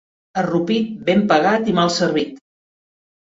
A Rupit, ben pagat i mal servit.